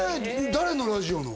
誰のラジオの？